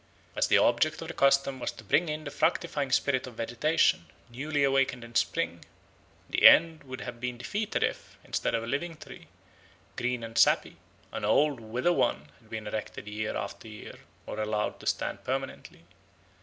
As the object of the custom was to bring in the fructifying spirit of vegetation, newly awakened in spring, the end would have been defeated if, instead of a living tree, green and sappy, an old withered one had been erected year after year or allowed to stand permanently.